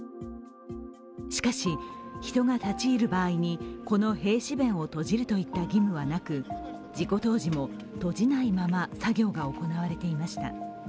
しかし、人が立ち入る場合に、この閉止弁を閉じるといった義務はなく、事故当時も閉じないまま作業が行われていました。